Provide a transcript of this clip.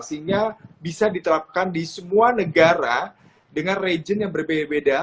sehingga bisa diterapkan di semua negara dengan region yang berbeda beda